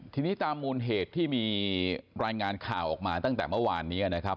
ทีนี้ตามมูลเหตุที่มีรายงานข่าวออกมาตั้งแต่เมื่อวานนี้นะครับ